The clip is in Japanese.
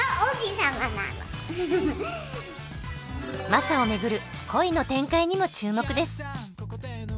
マサを巡る恋の展開にも注目です。